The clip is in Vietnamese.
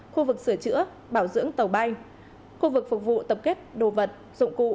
khu vực sửa chữa bảo dưỡng tàu bay khu vực phục vụ tập kết đồ vật dụng cụ